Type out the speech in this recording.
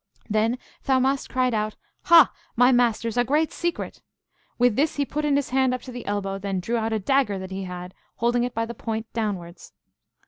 Then Thaumast cried out, Ha, my masters, a great secret! With this he put in his hand up to the elbow, then drew out a dagger that he had, holding it by the point downwards.